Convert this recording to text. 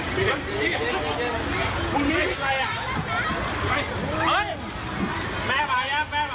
คุยตรงนี้ผมคุยตรงนี้แหละ